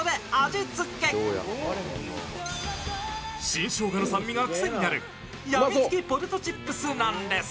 新生姜の酸味がクセになるやみつきポテトチップスなんです。